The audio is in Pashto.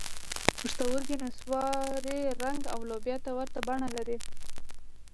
پښتورګي نسواري رنګ او لوبیا ته ورته بڼه لري.